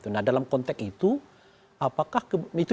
nah dalam konteks itu